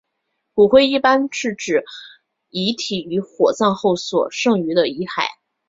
骨灰一般指遗体于火葬后所剩余的遗骸。